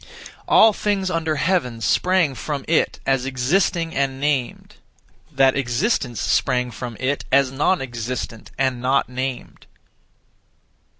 All things under heaven sprang from It as existing (and named); that existence sprang from It as non existent (and not named).